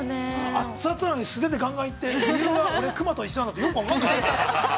◆熱々なのに素手でがんがん行って、理由は、俺は、熊と一緒って、よく分からない。